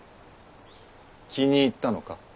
気に入ったのか？